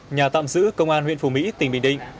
nhà tạm giữ công an huyện phù mỹ tỉnh bình định